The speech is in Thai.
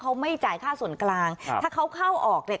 เขาไม่จ่ายค่าส่วนกลางครับถ้าเขาเข้าออกเนี่ย